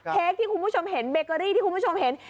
เค้กที่คุณผู้ชมเห็นเบเกอรี่ที่คุณผู้ชมเห็น